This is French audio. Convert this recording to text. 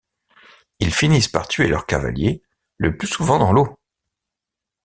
Ils finissent par tuer leurs cavaliers, le plus souvent dans l'eau.